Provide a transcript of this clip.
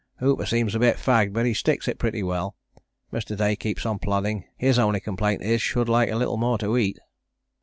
Hooper seems a bit fagged but he sticks it pretty well. Mr. Day keeps on plodding, his only complaint is should like a little more to eat.